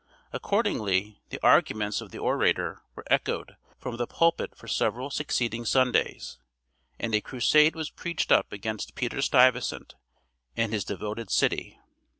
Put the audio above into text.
Accordingly the arguments of the orator were echoed from the pulpit for several succeeding Sundays, and a crusade was preached up against Peter Stuyvesant and his devoted city.